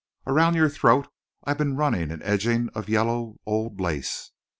"Around your throat I've been running an edging of yellow old lace.